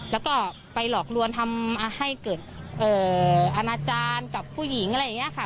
แล้วก็ไปหลอกลวนทำให้เกิดอาณาจารย์กับผู้หญิงอะไรอย่างนี้ค่ะ